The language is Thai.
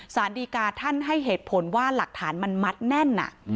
สารดีกาท่านให้เหตุผลว่าหลักฐานมันมัดแน่น